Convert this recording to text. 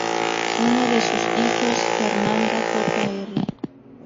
Uno de sus hijos, Fernando Jr.